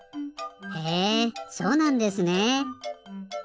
へえそうなんですねえ。